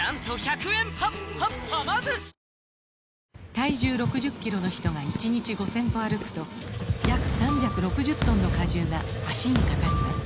体重６０キロの人が１日５０００歩歩くと約３６０トンの荷重が脚にかかります